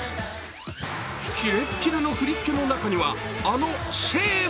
キレッキレの振り付けの中にはあのシェー！